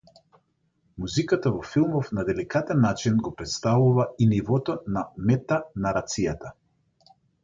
Музиката во филмов на деликатен начин го претставува и нивото на метанарацијата.